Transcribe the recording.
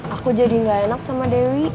aku jadi gak enak sama dewi